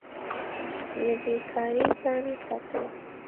له بې کارۍ ځان وساتئ.